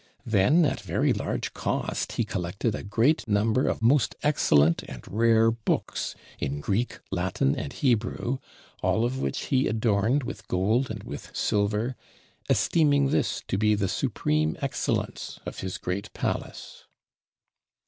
Then at very large cost he collected a great number of most excellent and rare books in Greek, Latin, and Hebrew, all of which he adorned with gold and with silver, esteeming this to be the supreme excellence of his great palace.